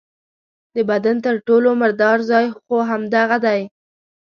د بدن تر ټولو مردار ځای خو همدغه دی.